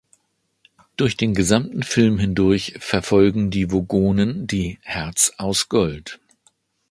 Durch den gesamten Film hindurch verfolgen die Vogonen die "Herz aus Gold".